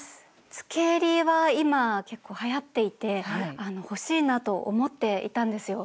つけえりは今結構はやっていて欲しいなと思っていたんですよ。